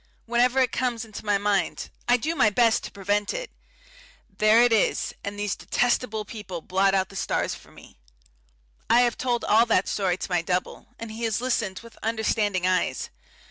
Whenever it comes into my mind I do my best to prevent it there it is, and these detestable people blot out the stars for me. I have told all that story to my double, and he has listened with understanding eyes.